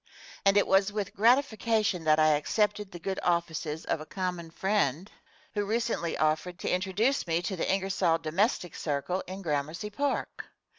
And it was with gratification that I accepted the good offices of a common friend who recently offered to introduce me to the Ingersoll domestic circle in Gramercy Park.